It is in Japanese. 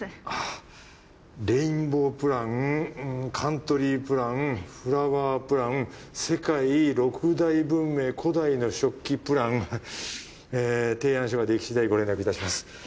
あぁレインボープランカントリープランフラワープラン世界６大文明古代の食器プランえ提案書ができしだいご連絡いたします。